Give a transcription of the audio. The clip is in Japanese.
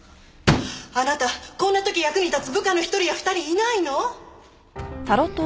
あなたこんな時役に立つ部下の一人や二人いないの！？